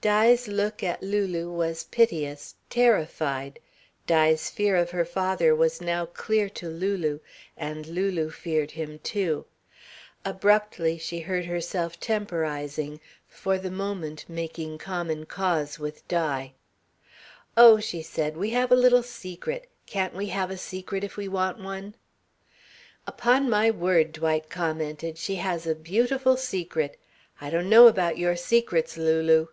Di's look at Lulu was piteous, terrified. Di's fear of her father was now clear to Lulu. And Lulu feared him too. Abruptly she heard herself temporising, for the moment making common cause with Di. "Oh," she said, "we have a little secret. Can't we have a secret if we want one?" "Upon my word," Dwight commented, "she has a beautiful secret. I don't know about your secrets, Lulu."